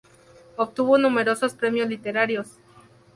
Obtuvo numerosos premios literarios.